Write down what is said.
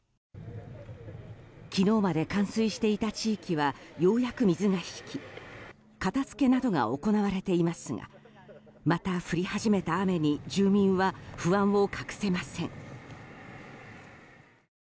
昨日まで冠水していた地域はようやく水が引き片付けなどが行われていますがまた降り始めた雨に住民は不安を隠せません。